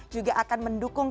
juga akan mendukung